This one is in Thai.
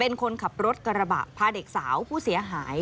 เป็นคนขับรถกระบะพาเด็กสาวผู้เสียหาย